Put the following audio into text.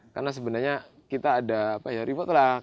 karena sebenarnya kita ada reward lah